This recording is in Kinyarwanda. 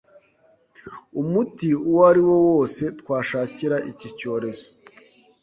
Umuti uwariwo wose twashakira iki cyorezo,